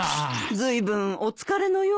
ずいぶんお疲れのようで。